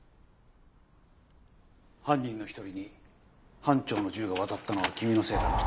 犯人の１人に班長の銃が渡ったのは君のせいだな？